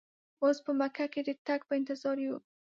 اوس په مکه کې د تګ په انتظار یو.